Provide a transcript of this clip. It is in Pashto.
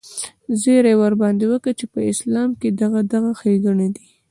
زيرى ورباندې وکه چې په اسلام کښې دغه دغه ښېګڼې دي.